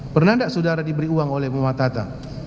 pernah enggak saudara diberi uang oleh pak muhammad hatta